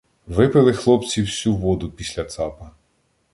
— Випили хлопці всю воду після цапа.